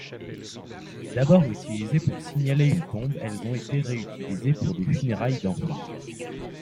D'abord utilisées pour signaler une tombe, elles ont été réutilisées pour des funérailles d'enfants.